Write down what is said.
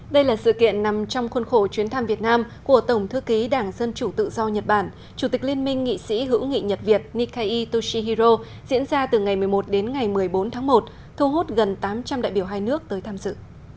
đây là sự kiện nằm trong khuôn khổ chuyến thăm việt nam của tổng thư ký đảng dân chủ tự do nhật bản chủ tịch liên minh nghị sĩ hữu nghị nhật việt nikai toshihiro diễn ra từ ngày một mươi một đến ngày một mươi bốn tháng một thu hút gần tám trăm linh đại biểu hai nước tới tham dự